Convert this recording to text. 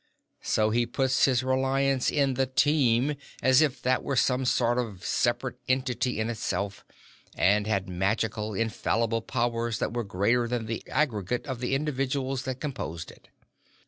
So he puts his reliance in the Team, as if that were some sort of separate entity in itself, and had magical, infallible powers that were greater than the aggregate of the individuals that composed it.